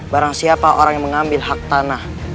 barang siapa orang yang mengambil hak tanah